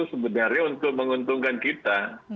sebenarnya untuk menguntungkan kita